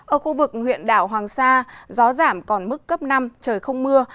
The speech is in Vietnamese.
ở khu vực huyện đảo hoàng sa gió giảm còn mức cấp năm trời không mưa